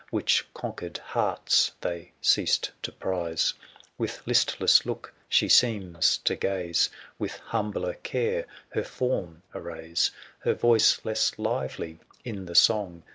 Which conquered hearts they ceased to prize; j 160 With listless look she seems to gaze; .! storfW With humbler care her form arrayl jqlA ri^dW Her voice less lively in the song ; jti?